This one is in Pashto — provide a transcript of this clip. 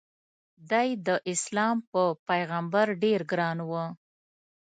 د ی داسلام په پیغمبر ډېر ګران و.